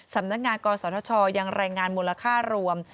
สำนักงานกรสวทชยังแรงงานมูลค่ารวม